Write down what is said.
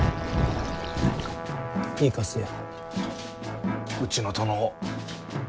行かせよ。